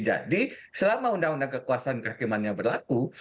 jadi selama undang undang kekuasaan kehakiman yang berlaku